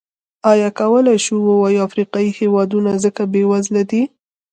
ایا کولای شو ووایو افریقايي هېوادونه ځکه بېوزله دي.